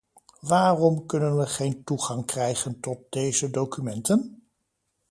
Waarom kunnen we geen toegang krijgen tot deze documenten?